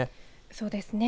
そうですね。